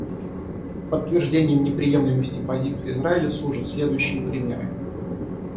Подтверждением неприемлемости позиции Израиля служат следующие примеры.